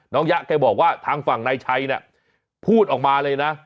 น้องยะเคยบอกว่าทางฝั่งในชัยเนี่ยพูดออกมาเลยนะ